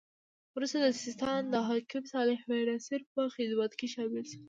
وروسته د سیستان د حاکم صالح بن نصر په خدمت کې شامل شو.